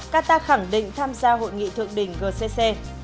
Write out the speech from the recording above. qatar khẳng định tham gia hội nghị thượng đỉnh gcc